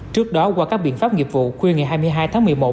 trước đó qua các biện pháp nghiệp vụ khuya ngày hai mươi hai tháng một mươi một